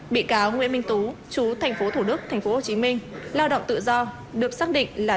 bị cáo nguyễn minh tú chú thành phố thủ đức thành phố hồ chí minh lao động tự do được xác định là